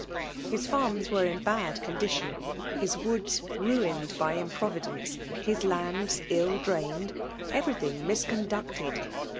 His farms were in bad condition ; his woods ruined by improvidence; his lands ill drained — everything miscon^ ducted.